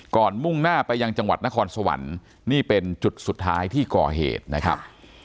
มุ่งหน้าไปยังจังหวัดนครสวรรค์นี่เป็นจุดสุดท้ายที่ก่อเหตุนะครับ